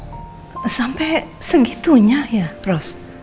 sampai segitunya ya rose sampai segitunya ya rose